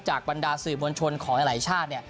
จากวันดาศึกมงชฎของหลายชาติ